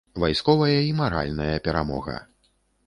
Вайсковая і маральная перамога.